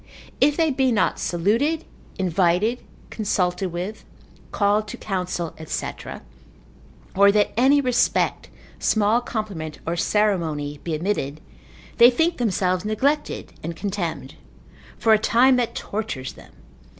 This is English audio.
If they be not saluted, invited, consulted with, called to counsel, &c., or that any respect, small compliment, or ceremony be omitted, they think themselves neglected, and contemned; for a time that tortures them.